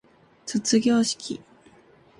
卒業式